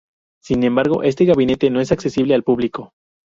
Sin embargo, este gabinete no es accesible al público.